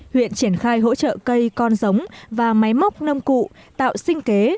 huyện triển khai hỗ trợ cây con giống và máy móc nông cụ tạo sinh kế